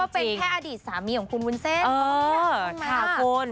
เออเขาก็เป็นแพทย์อดีตสามีของคุณวุนเซนเออค่ะคน